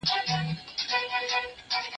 زه به څرنگه دوږخ ته ور روان سم